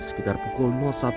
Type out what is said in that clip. sekitar pukul satu tiga puluh